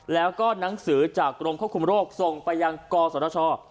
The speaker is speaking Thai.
แล้วก็นักสือจากกรงคคมโรคส่งไปยังกสรช